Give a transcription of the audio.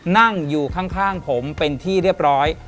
นั่งอยู่ข้างผมเป็นที่เรียบร้อย